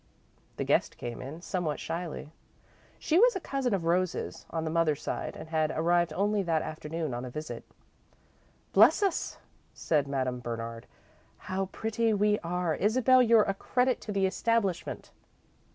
The guest came in, somewhat shyly. She was a cousin of Rose's, on the mother's side, and had arrived only that afternoon on a visit. "Bless us," said Madame Bernard; "how pretty we are! Isabel, you're a credit to the establishment."